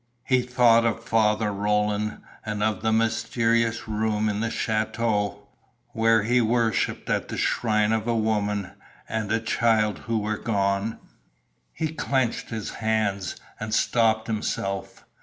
He thought of Father Roland and of the mysterious room in the Château, where he worshipped at the shrine of a woman and a child who were gone. He clenched his hands, and stopped himself.